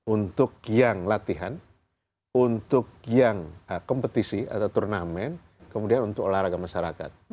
untuk yang latihan untuk yang kompetisi atau turnamen kemudian untuk olahraga masyarakat